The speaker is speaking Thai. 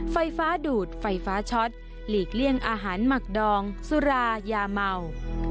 ไฟฟ้าดูดไฟฟ้าช็อตหลีกเลี่ยงอาหารหมักดองสุรายาเมา